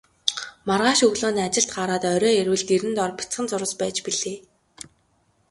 Маргааш өглөө нь ажилд гараад орой ирвэл дэрэн доор бяцхан зурвас байж билээ.